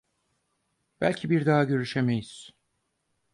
Belki bir daha görüşemeyiz!